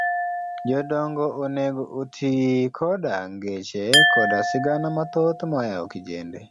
jodongo onego oti koda ngeche koda sigana mathoth mohewo kijende.